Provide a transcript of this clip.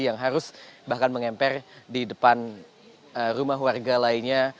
yang harus bahkan mengempar di depan rumah keluarga lainnya